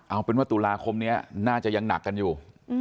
เอาเป็นว่าตุลาคมนี้น่าจะยังหนักกันอยู่